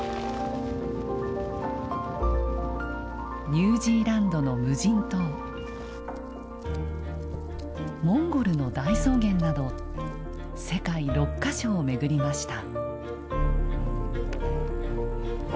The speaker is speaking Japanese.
ニュージーランドの無人島モンゴルの大草原など世界６か所を巡りました。